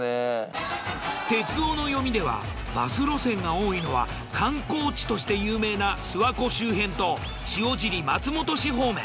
哲夫の読みではバス路線が多いのは観光地として有名な諏訪湖周辺と塩尻・松本市方面。